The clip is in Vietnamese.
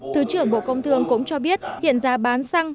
thứ trưởng bộ công thương cũng cho biết hiện giá bán xăng